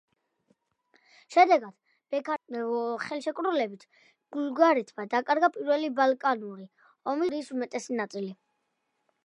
შედეგად, ბუქარესტის საზავო ხელშეკრულებით ბულგარეთმა დაკარგა პირველი ბალკანური ომის დროს მოპოვებული ტერიტორიის უმეტესი ნაწილი.